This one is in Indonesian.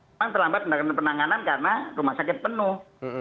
memang terlambat mendapatkan penanganan karena rumah sakit penuh